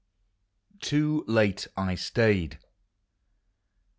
TOO LATE I STAYED.